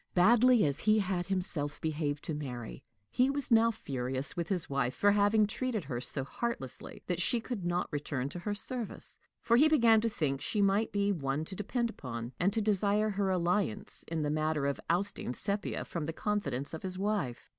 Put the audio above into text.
Badly as he had himself behaved to Mary, he was now furious with his wife for having treated her so heartlessly that she could not return to her service; for he began to think she might be one to depend upon, and to desire her alliance in the matter of ousting Sepia from the confidence of his wife.